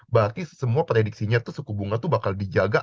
berarti semua prediksinya itu suku bunga itu bakal dijaga